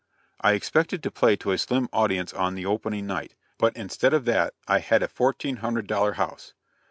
I expected to play to a slim audience on the opening night, but instead of that I had a fourteen hundred dollar house.